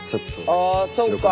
あそっか。